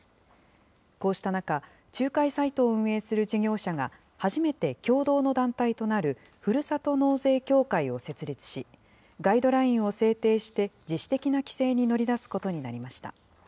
こうした中、仲介サイトを運営する事業者が、初めて共同の団体となるふるさと納税協会を設立し、ガイドラインを制定して自主的な規制に乗り出すことになりました。